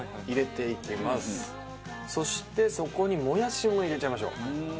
そしてそこにもやしも入れちゃいましょう。